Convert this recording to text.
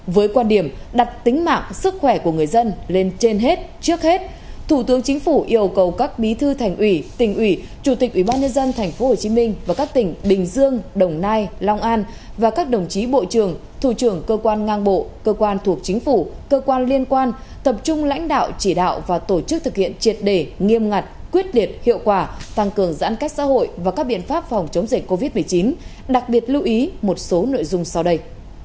với quan điểm đặt tính mạng sức khỏe của người dân lên trên hết trước hết thủ tướng chính phủ yêu cầu các bí thư thành ủy tỉnh ủy chủ tịch ubnd tp hcm và các tỉnh bình dương đồng nai long an và các đồng chí bộ trưởng thủ trưởng cơ quan ngang bộ cơ quan thuộc chính phủ cơ quan liên quan tập trung lãnh đạo chỉ đạo và tổ chức thực hiện triệt đề nghiêm ngặt quyết liệt hiệu quả tăng cường giãn cách xã hội và các biện pháp phòng chống dịch covid một mươi chín đặc biệt lưu ý một số nội dung sau đây